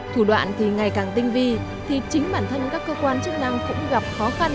thủ đoạn thì ngày càng tinh vi thì chính bản thân các cơ quan chức năng cũng gặp khó khăn